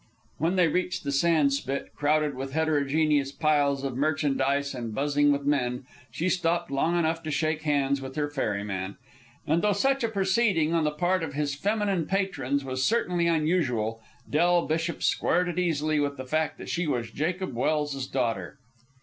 When they reached the sand spit, crowded with heterogeneous piles of merchandise and buzzing with men, she stopped long enough to shake hands with her ferryman. And though such a proceeding on the part of his feminine patrons was certainly unusual, Del Bishop squared it easily with the fact that she was Jacob Welse's daughter.